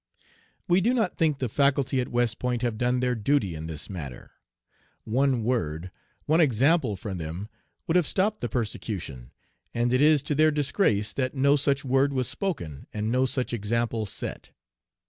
"We do not think the faculty at West Point have done their duty in this matter. One word, one example from them, would have stopped the persecution, and it is to their disgrace that no such word was spoken and no such example set."